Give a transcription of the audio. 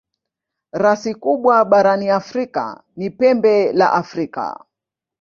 Rasi kubwa barani Afrika ni Pembe la Afrika.